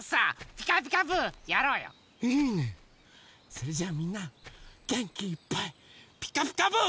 それじゃあみんなげんきいっぱい「ピカピカブ！」。